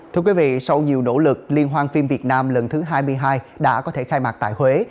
thưa quý vị sau nhiều nỗ lực liên hoan phim việt nam lần thứ hai mươi hai đã có thể khai mạc tại huế